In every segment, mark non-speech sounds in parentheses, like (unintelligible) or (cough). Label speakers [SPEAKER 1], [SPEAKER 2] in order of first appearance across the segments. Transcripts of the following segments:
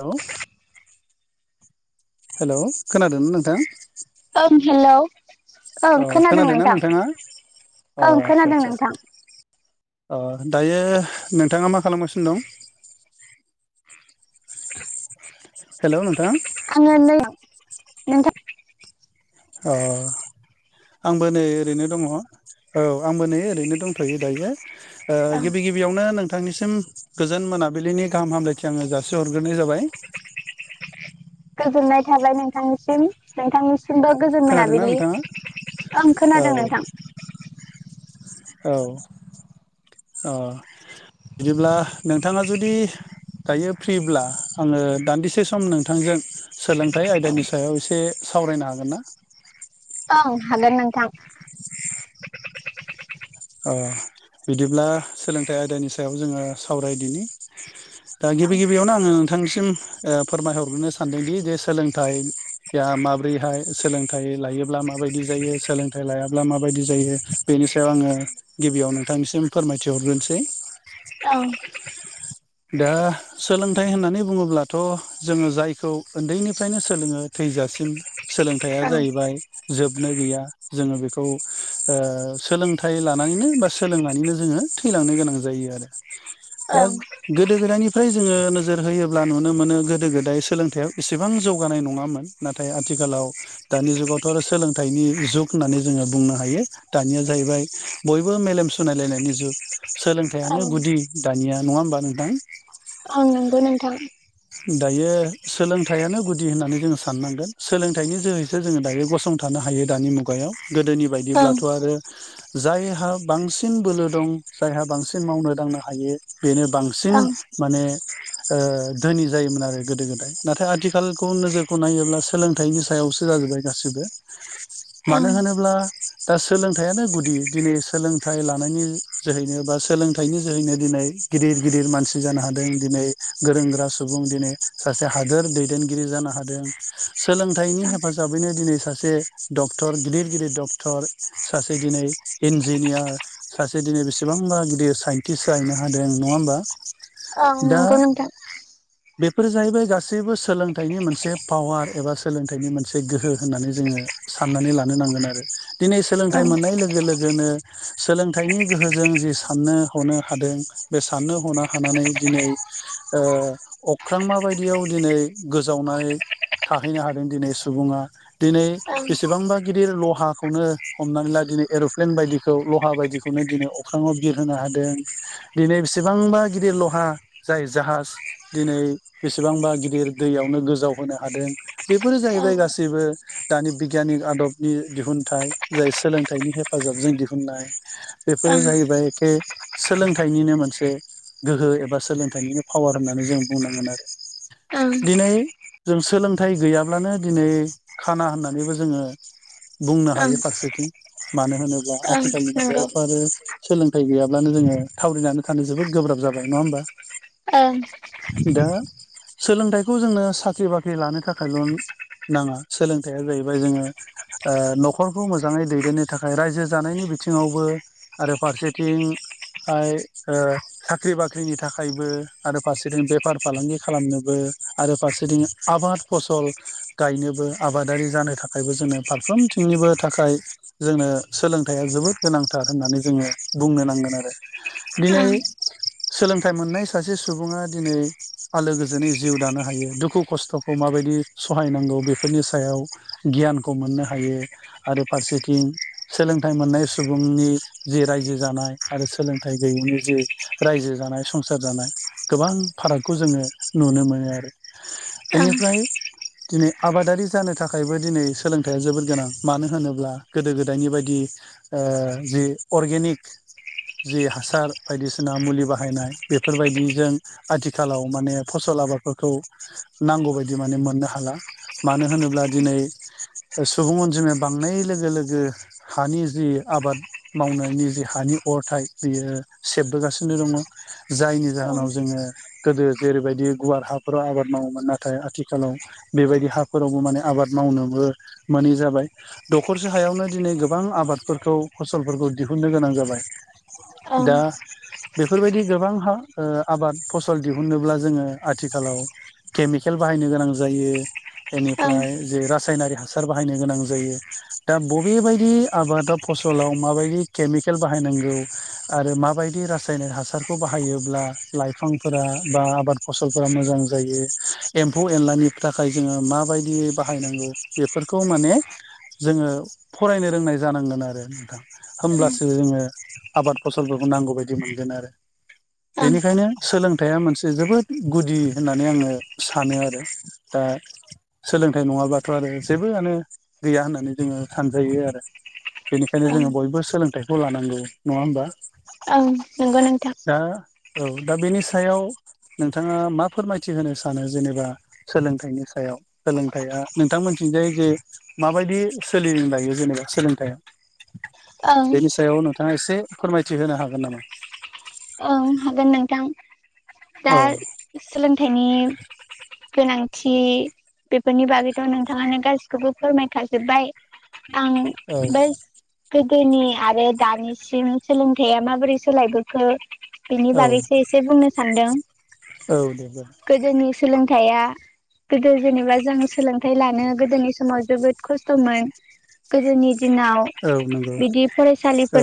[SPEAKER 1] Hello hello खोनादोंना नोंथां
[SPEAKER 2] ओं हेलौ
[SPEAKER 1] औ
[SPEAKER 2] ओं खोनादों
[SPEAKER 1] खोनादोंना
[SPEAKER 2] नोंथां
[SPEAKER 1] नोंथाङा अ
[SPEAKER 2] ओं
[SPEAKER 1] आदसा
[SPEAKER 2] खोनादों
[SPEAKER 1] आदसा
[SPEAKER 2] नोंथां
[SPEAKER 1] अ दायो नोंथाङा मा खालामगासिनो दं हेलौ नोंथां
[SPEAKER 2] (unintelligible)
[SPEAKER 1] अ आंबो नै ओरैनो दङ औ आंबो नै ओरैनो दंथ'यो दायो ओ गिबि गिबियावनो नोंथां नोंथांनिसिम गोजोन मोनाबिलिनि गाहाम हामलायथि आङो जासिहरग्रोनाय जाबाय
[SPEAKER 2] गोजोननाय थाबाय नोंथांनिसिम नोंथांनिसिम सिबबो गोजोन
[SPEAKER 1] खोनादोंना
[SPEAKER 2] मोनाबिलि
[SPEAKER 1] नोंथाङा
[SPEAKER 2] ओं खोनादों नोंथां
[SPEAKER 1] औ औ बिदिब्ला नोंथाङा जुदि दायो फ्रिब्ला आङो दान्दिसे सम नोंथांजों सोलोंथाइ आयदानि सायाव एसे सावरायनो हागोन ना
[SPEAKER 2] औ हागोन नोंथां
[SPEAKER 1] ओ बिदिब्ला सोलोंथाइ आयदानि सायाव जोङो सावरायदिनि दा
[SPEAKER 2] ओं
[SPEAKER 1] गिबि गिबियावनो आङो नोंथांनिसिम ओ फोरमायहरग्रोनो सानदोंदि जे सोलोंथाइया माब्रैहाय सोलोंथाइ लायोब्ला माबायदि जायो सोलोंथाइ लायाब्ला माबायदि जायो बेनि सायाव आङो गिबियाव नोंथांनिसिम फोरमायथिहरग्रोनसै
[SPEAKER 2] ओं
[SPEAKER 1] दा सोलोंथाइ होननानै बुङोब्लाथ' जोङो जायखौ उन्दैनिफ्रायनो सोलोङो थै थैजासिम सोलोंथाइया जाहैबाय जोबनो गैया जोङो बेखौ ओ सोलोंथा‌ थाइ लानानैनो बा सोलोंनानैनो जोङो थैलांनो गोनां जायो आरो दा गोदो गोदायनिफ्राय जोङो नोजोर होयोब्ला नुनो मोनो गोदो गोदाय सोलोंथायाइाव इसेबां जौगानाय नङामोन ना नाथाय आथिखालाव दानि जुगावथ' आरो सोलोंथाइनि जुग होननानै जोङो बुंनो हायो दानिया जाहैबाय बयबो मेलेम सनायलायनायनि जुग सोलोंथाइयानो
[SPEAKER 2] ओं ओं
[SPEAKER 1] गुदि दानिया नङा होमबा नोंथां?
[SPEAKER 2] नोंगो नोंथां
[SPEAKER 1] दायो सोलोंथाइयानो गुदि होननानै जोङो साननांगोन सोलोंथाइनि जोहैसो जोङो दायो गसंथार थानो हायो दानि मुगायाव गोदोनि
[SPEAKER 2] ओं
[SPEAKER 1] बायदिब्लाथ' आरो जायहा बांसिन बोलो दं जायहा बांसिन मावनो दांनो हायो बेनो बांसिन
[SPEAKER 2] ओं
[SPEAKER 1] माने ओ धोनि जायोमोन आरो गोदो गोदाय नाथाय आथिखालखौ नोजोरखौ नायोब्ला सोलोंथाइनि सायावसो जाजोबबाय गाससिबो मानो
[SPEAKER 2] ओं
[SPEAKER 1] होनोब्ला दा सोलोंथाइयानो गुदि दिनै सोलोंथाइ लानायनि जोहैनो बा सोलोंथाइनि जोहैनो दिनै गिदिर गिदिर मानसि जानो हादों दों दिनै गोरों गोरा सुबुं दिनै सासे हादोर दैदेनगिरि जानो हादों सोलों थाइनि हेफाजाबैनो दिनै सासे डक्टर गिदिर गिदिर डक्टर सासे दिनै इन्जिनियार सासे दिनै बेसेबांबा गिदिर साइन्टिस्ट जाहैनो हादों नङा होमबा?
[SPEAKER 2] औ
[SPEAKER 1] दा
[SPEAKER 2] नंगौ नोंथां
[SPEAKER 1] बेफोर जाहैबाय गासैबो सोलोंथाइनि मोनसे पावार एबा सोलोंथाइनि मोनसे गोहो होननानै जोङो साननानै लानो नांगोन आरो दिनै सोलोंथाइ
[SPEAKER 2] ओं
[SPEAKER 1] मोननाय लोगो लोग गोनो सोलोंथाइनि गोहोजों जि साननो हनो हादों बे साननो हनो हानानै दिनै ओ अख्रां माबायदियाव दिनै गोजावनाय थाहैनो हादों दिनै सुबुङा दिनै
[SPEAKER 2] ओं
[SPEAKER 1] बेसेबांबा गिदिर लहाखौनो हमनानै ला दिनै एर'प्ले न बायदिखौ लहा बायदिखौनो दिनै अख्रांव बिर होनोनो हादों दिनै बेसेबांबा गिदिर लहा जाय जाहाज दिनै बेसेबांबा गिदिर दैयावनो गोजाव होनो हादों बे बेफोरो
[SPEAKER 2] ओं
[SPEAKER 1] जाहैबाय गासैबो दानि बिगियानिक आदबनि दिहुनथाइ जाय सोलोंथाइनि हेफा हफाजाबजों दिहुननाय बेफोरो जाहैबाय एखे सोलोंथाइनिनो मोनसे गोहो एबा सोलोंथाइनिनो पावार होननानै जों बुंनांगोन आरो
[SPEAKER 2] ओं
[SPEAKER 1] दिनै जों सोलोंथाइ गैयाब्लानो दिनै खाना होननानैबो जोङो बुंनो
[SPEAKER 2] ओं
[SPEAKER 1] हायो फारसेथिं मानो होनोब्ला
[SPEAKER 2] ओं
[SPEAKER 1] आथिखालनि
[SPEAKER 2] नंगौ
[SPEAKER 1] मुगायावथ' आरो सोलोंथाइ गैयाब्लानो जोङो थावरिनानै थानो जोबोद गोब्राब जा जाबाय नङा होनबा
[SPEAKER 2] ओं
[SPEAKER 1] दा सोलोंथाइखौ जोंनो साख्रि बाख्रि लानो थाखायल' नाङा सोलोंथाइया जाहैबाय जोङो ओ न'खरखौ मोजाङै दैदेननो थाखाय रायजो जानायनि बिथिङावबो आरो फारसेथिं थाय ओ साख्रि बाख्रिनि थाखायबो आरो फारसेथिं बेफार फालांगि खालामनोबो आरो फारसेथिं आबाद फसल गायनोबो आबादारि जानो थाखायबो जोङो फारफ्रोम थिंनिबो थाखायक्ष जोंनो सोलोंथाइया जोबोद गोनांथार होननानै जोङो बुंनो नांगोन आरो दिनै
[SPEAKER 2] ओं
[SPEAKER 1] सोलोंथाइ मोननाय सासे सुबुङा दिनै आलो गोजोनै जिउ दानो हायो दुखु खस्थ'खौ माबायदि सहायनांगौ बेफोरनि सायाव गियानखौ मोननो हायो आरो फारसे थिं सोलोंथाइ मोननाय सुबुंनि जि रायजो जानाय आरो सोलोंथाइ गैयैनि जि रायजो जानाय संसार जानाय गोबां फारागखौ जोङो नुनो मोनो आरो
[SPEAKER 2] ओं ओं
[SPEAKER 1] बेनिफ्राय दिनै आबादारि जानो थाखायबो दिनै सोलोंथाइया जोबोर गोनां मानो होनोब्ला गोदो गोदायनि बायदि ओ जि अर्गेनिक जि हासार बायदिसिना मुलि बाहायनाय बेफोरबायदिजों आथिखालाव माने फसल लाबारफोरखौ नांगौ बायदि माने मोननो हाला मानो होनोब्ला दिनै सुबुं अनजिमाया बांनाय लोगो लोगो हानि जि आबाद मावनायनि जि हानि अरथाय बियो सेबबोगासिनो नो दं जायनि जाहोनाव जोङो गोदो जेरैबायदि गुवार हाफोराव आबाद मावोमोन नाथाय आथिखालाव बेबायदि हाफोरावबो माने आबाद मावनो बो मोनै जाबाय दखरसे ह सायावनो दिनै गोबां आबादफोरखौ फसलफोरखौ दिहुननो गोनां जाबाय।
[SPEAKER 2] औ
[SPEAKER 1] दा बेफोरबायदि गोबां हा आबाद फसल दिहुनोब्ला जोङो आथिखालाव केमिकेल बाहायनो गोनां जायो
[SPEAKER 2] ओं
[SPEAKER 1] बेनिफ्राय जा रासायनारि हासार बाहायनो गोनां जायो। दा बबे बायदि आबादा फसलाव माबायदि केमिकेल बाहायनांगौ आरो माबायदि रासायनिक हासारखौ बाहायोब्ला लाइफांफोरा बा आबाद फसलफोरा मोजां जायो एम्फौ एनलानि थाखाय जोङो माबायदि बाहायनांगौ बेफोरखौ माने जोङो फरायनो रोंनाय जानांगोन आरो नोंथां होमब्लासो जोङो आबाद फसलफोरखौ नांगौ बायदि मोन (inaudible) आरो
[SPEAKER 2] ओं
[SPEAKER 1] बेनिखायनो सोलोंथाइया मोनसे जोबोद गुदि होननानै आङो सानो आरो दा दा सोलोंथाइ नङाबाथ' आरो जेबोआनो गैया होननानै जोङो सानजायो आरो बेनिखायनो
[SPEAKER 2] ओं
[SPEAKER 1] जोङो बयबो सोलोंथाइखौ लानांगौ नङा होमबा।
[SPEAKER 2] ओ नंगौ नोंथां।
[SPEAKER 1] दा औ दा बेनि सायाव नोंथाङा मा फोरमायथि होनो सानो जेनेबा सोलोंथाइनि सायाव सोलोंथाइया नोंथांमोनथिं थिंजाय जे माबायदि सोलि लायो जेनेबा सोलोंथाइया
[SPEAKER 2] ओं
[SPEAKER 1] बेनि सायाव नोंथाङा एसे फोरमायथि होनो हागोन नामा?
[SPEAKER 2] ओं हागोन नोंथां। दा
[SPEAKER 1] औ
[SPEAKER 2] सोलोंथाइनि गोनांथि बेफोरनि बागैथ' नोंथाङानो गासिखौबो फोरमायखाजोब्बाय आं
[SPEAKER 1] औ
[SPEAKER 2] बास गोदोनि आरो दानिसिम सोलोंथायया माबोरै सोलायबोखो बिनि
[SPEAKER 1] औ
[SPEAKER 2] बागैसो एसे बुंनो सानदों।
[SPEAKER 1] औ दे
[SPEAKER 2] गोदोनि सोलों थाइया गोदो जेनेबा जों सोलोंथाइ लानो गोदोनि समाव जोबोद खस्थ'मोन गोदोनि दिनाव
[SPEAKER 1] औ नंगौ
[SPEAKER 2] बिदि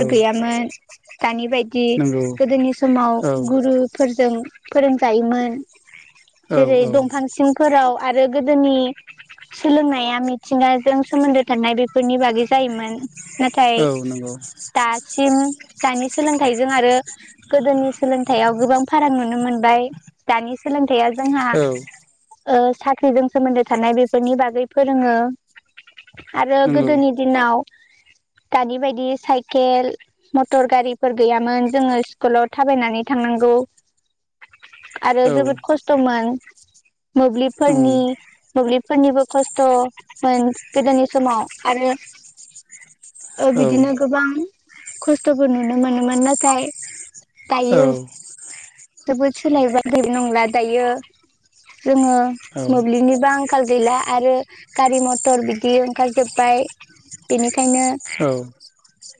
[SPEAKER 1] औ
[SPEAKER 2] गैयामोन। दानि बायदि
[SPEAKER 1] नंगौ
[SPEAKER 2] गोदोनि समाव
[SPEAKER 1] औ
[SPEAKER 2] गुरुफोरजों फोरोंजायोमोन
[SPEAKER 1] औ
[SPEAKER 2] जेरै
[SPEAKER 1] औ
[SPEAKER 2] दंफां सिंफोराव आरो गोदोनि सोलोंनाया मिथिंगाजों सोमोन्दो थानाय बेफोरनि बागै जायोमोन नाथाय
[SPEAKER 1] औ नंगौ
[SPEAKER 2] दासिम दानि सोलोंथाइजों आरो गोदोनि सोलोंथाइआव गोबां फाराग नुनो मोन ओमफ्राय दानि सोलोंथाइया जोंहा
[SPEAKER 1] औ
[SPEAKER 2] ओ साख्रिजों सोमोन्दो थानाय बेफोरनि बागै फोरोङो आरो
[SPEAKER 1] नंगौ
[SPEAKER 2] गोदोनि दिनाव
[SPEAKER 1] (inaudible)
[SPEAKER 2] दानि बायदि साइकेल मटर गारिफोर गैयामोन जोङो स्कुलाव थाबायनानै थांनांगो नंगौ
[SPEAKER 1] (inaudible)
[SPEAKER 2] आरो जोबोद खस्थ'मोन
[SPEAKER 1] उम
[SPEAKER 2] मोब्लिबफोरनि मोब्लिब फोरनिबो खस्थ'मोन गोदोनि समाव आरो ओ
[SPEAKER 1] औ
[SPEAKER 2] बिदिनो गोबां खस्थ'फोर नुनो मोनोमोन नाथाय दायो
[SPEAKER 1] औ
[SPEAKER 2] जोबोद सोलायबाय नंला दायो। जोङो मोब्लिबनिबो आंखाल गैला आरो गारि मथर बिदि ओंखार जोब्बाय बेनिखायनो
[SPEAKER 1] औ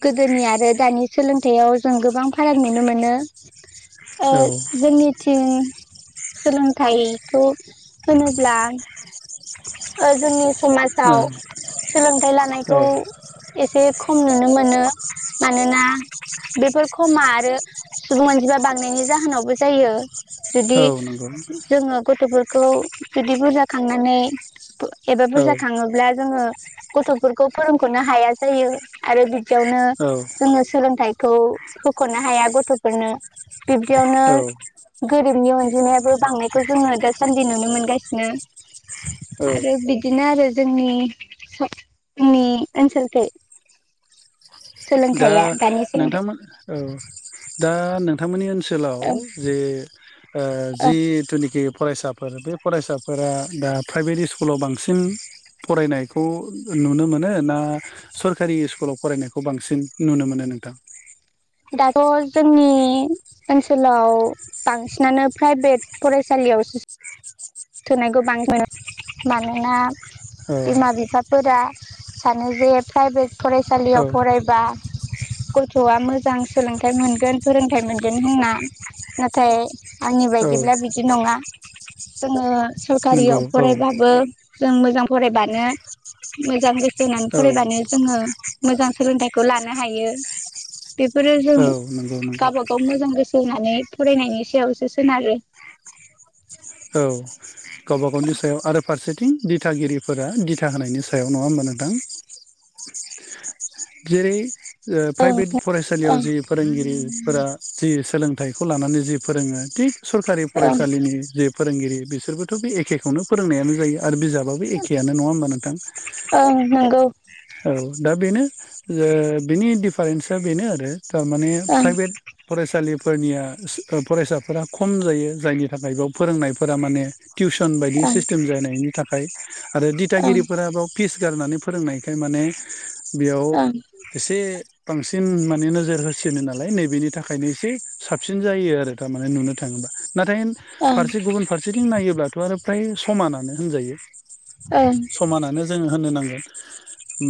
[SPEAKER 2] गोदोनि आरो दानि सोलोंथायाइयाव जों गोबां फाराग नुनो मोनो ओ
[SPEAKER 1] ओं औ
[SPEAKER 2] जोंनिथिं सोलोंथाइखौ होनोब्ला ओ जोंनि समाजाव सोलोंथाइ लानायखौ एसे खम नुनो मोनो
[SPEAKER 1] (inaudible)
[SPEAKER 2] मानोना बेफोर खमा आरो सुबुं अनजिबा बांनायनि जाहोनावबो जायो
[SPEAKER 1] औ
[SPEAKER 2] जुदि
[SPEAKER 1] नंगौ
[SPEAKER 2] जोंङो गथ'फोर खौ जुदि बुरजा खांनानै एबा
[SPEAKER 1] औ
[SPEAKER 2] बुरजा खाङोब्ला जोङो गथ'फोरखौ फोरोंख'नो हाया जायो आरो बिदियावनो जोङो सोलोंथाइ खौ होख'नो हाया गथ'फोरनो बिब्दियावनो
[SPEAKER 1] औ
[SPEAKER 2] गोरिबनि अनजिनायायाबो बांनायखौ जोङो दासान्दि नुनो मोनगासिनो
[SPEAKER 1] औ
[SPEAKER 2] आरो बिदिनो आरो जोंनि जोंनि ओनसोलखै
[SPEAKER 1] दा
[SPEAKER 2] सोलोंथाइया दानि सोलोंथाइ
[SPEAKER 1] नोंथांमोन औ दा नोंथांमोननि ओन सोलाव
[SPEAKER 2] ओं
[SPEAKER 1] जे ओ
[SPEAKER 2] ओं
[SPEAKER 1] जिथुनिखि फरायसा फोर बे फरायसाफोरा दा प्राइभेट इस्कुलाव बांसिन फरायनायखौ नुनो मोनो ना सरकारि स्कुलाव फरायनायखौ बां सिन नुनो मोनो नोंथां
[SPEAKER 2] दाथ' जोंनि ओनसोलाव बांसिनानो प्राइभेट फरायसालियाव
[SPEAKER 1] (inaudible)
[SPEAKER 2] (unintelligible) मानोना
[SPEAKER 1] औ
[SPEAKER 2] फोरा सानो जे प्राइभेट फरायसालियाव
[SPEAKER 1] औ
[SPEAKER 2] फरायबा गथ'आ मोजां सोलोंथाइ मोनगोन फोरोंथाइ मोनगोन होनना नाथाय आंनि
[SPEAKER 1] औ
[SPEAKER 2] बायदिब्ला बिदि नङा जोङो
[SPEAKER 1] नंगौ
[SPEAKER 2] सरखारियाव
[SPEAKER 1] औ
[SPEAKER 2] फरायबाबो जों मोजां फरायबानो मोजां गोसो
[SPEAKER 1] औ
[SPEAKER 2] फरायबानो जोङो मोजां सोलोंथाइखौ लानो हायो। बेफोरो जों
[SPEAKER 1] औ नंगौ नंगौ
[SPEAKER 2] गाबागाव मोजां गोसो होनानै फरायनायनि सायावसो सोनारो
[SPEAKER 1] औ गावबा गावनि सायाव आरो फारसे थिं दिथागिरिफोरा दिथा होनायनि सायाव नङा होमबा नोंथां जेरै ओ
[SPEAKER 2] ओं
[SPEAKER 1] प्राइभेट फरायसालियाव
[SPEAKER 2] ओं
[SPEAKER 1] जि फोरोंगिरिफोरा जि सोलोंथाइखौ लानानै जि फोरोङो थिग सरखारि
[SPEAKER 2] ओं
[SPEAKER 1] फरायसालिनि जि फोरोंगिरि बिसोरबोथ' बे एखेखवनो फोरोंनायानो जायो। आरो बिजाबाबो एखेयानो नङा होमबा नोंथां
[SPEAKER 2] ओं नंगौ
[SPEAKER 1] औ दा बेनो ओ बिनि डिफारेन्सा बेनो आरो थारमाने
[SPEAKER 2] ओं
[SPEAKER 1] प्राइभेट फरायसालि फोरनिया फरायसाफोरा खम जायो जायनि थाखाय बेयाव फोरोंनायफोरा माने टिउसन बायदि
[SPEAKER 2] ओं
[SPEAKER 1] सिस्टेम जानायनि थाखाय आरो
[SPEAKER 2] ओं ओं
[SPEAKER 1] दिथागिरिफोरा बाव फिस गारनानै फोरोंनायखाय माने बेयाव एसे बांसिन माने नोजोर होसिनो नालाय नैबेनि थाखायनो एसे साबसिन जायो आरो थारमाने नुनो थाङोबा नाथाय
[SPEAKER 2] ओं
[SPEAKER 1] फारसे गुबुन फारसेथिं नायोब्लाथ' आरो फ्राय समानानो होनजायो
[SPEAKER 2] ओं
[SPEAKER 1] समानानो जोङो होननो नांगोन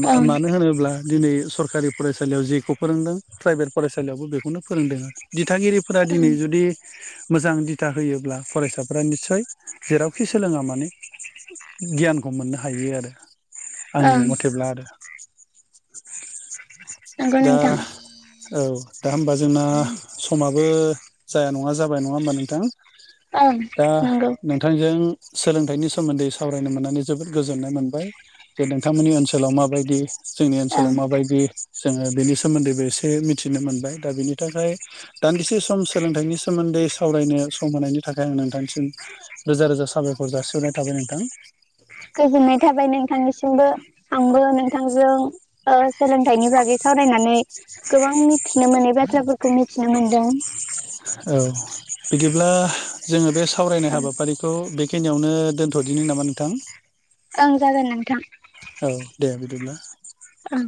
[SPEAKER 1] मा
[SPEAKER 2] ओं
[SPEAKER 1] मानो होनोब्ला दिनै सरखारि फरायसालियाव जेखौ फोरोंदों प्राइभेट फरायसालियावबो बेखौनो फोरोंदों आरो दिथागिरिफोरा दिनै
[SPEAKER 2] ओं
[SPEAKER 1] जुदि मोजां दिथा होयोब्ला फरायसाफ्रा निस्सय जेरावखि सोलोङा मानो गियानखौ मोननो हायो आरो आंनि
[SPEAKER 2] ओं
[SPEAKER 1] मथेब्ला आरो
[SPEAKER 2] नंगौ
[SPEAKER 1] दा
[SPEAKER 2] नोंथां
[SPEAKER 1] औ दा होमबा जोंना समा बो जाया नङा जाबाय नङा होमबा नोंथां
[SPEAKER 2] ओं
[SPEAKER 1] दा
[SPEAKER 2] नंगौ
[SPEAKER 1] नोंथांजों सोलोंथाइनि सोमोन्दै सावरायनो मोननानै जोबोद गोजोननाय मोनबाय जे नोंथांमोननि ओनसोलाव माबायदि जोंनि
[SPEAKER 2] ओं
[SPEAKER 1] माबायदि जोङो बेनि सोमोन्दैबो एसे मिथिनो मोनबाय दा बिनि थाखाय दान्दिसे सम सोलोंथाइनि सोमोन्दै सावरायनो सम होनायनि थाखाय आं नोंथांसिम रोजा रोजा साबायखर जासिहरनाय थाबाय नोंथां
[SPEAKER 2] गोजोननाय थाबाय नोंथांनिसिमबो आंबो नोंथांजों सोलोंथाइनि बागै सावरायनानै गोबां मिथिनो मोनै बाथ्राफोरखौ खौ मिथिनो मोन्दों
[SPEAKER 1] औ बिदिब्ला जोङो बे सावरायनाय
[SPEAKER 2] ओं
[SPEAKER 1] हाबाफारिखौ बेखिनियावनो दोन्थ'दिनो नामा नोंथां
[SPEAKER 2] ओं जागोन नोंथां
[SPEAKER 1] औ दे बिदिब्ला
[SPEAKER 2] औ